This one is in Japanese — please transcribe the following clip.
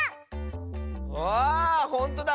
ああっほんとだ！